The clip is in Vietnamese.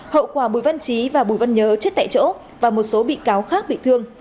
hậu quả bùi văn trí và bùi văn nhớ chết tại chỗ và một số bị cáo khác bị thương